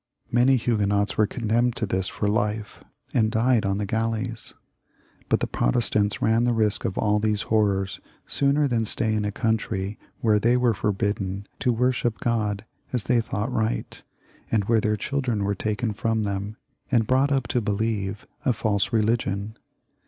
Many Huguenots were condemned to this for life, and died on the galleys. But the Protestants ran the risk of all these horrors sooner than stay in a country where they were forbidden to worship God as they thought right, and where their children were taken from them and brought up to believe a false religion.